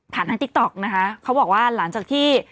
ทางติ๊กต๊อกนะคะเขาบอกว่าหลังจากที่